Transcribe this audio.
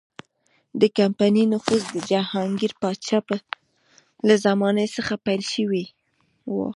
د کمپنۍ نفوذ د جهانګیر پاچا له زمانې څخه پیل شوی و.